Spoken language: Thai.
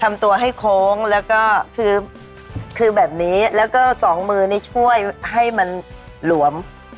ทำตัวให้โค้งแล้วก็คือคือแบบนี้แล้วก็สองมือนี่ช่วยให้มันหลวม